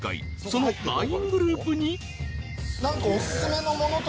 ［そのＬＩＮＥグループに］